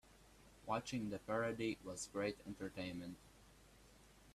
Watching the parody was great entertainment.